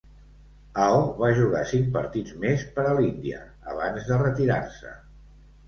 Ao va jugar cinc partits més per a l'Índia abans de retirar-se.